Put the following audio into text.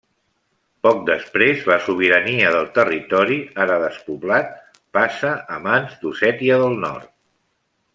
Poc després, la sobirania del territori ara despoblat passa a mans d'Ossètia del Nord.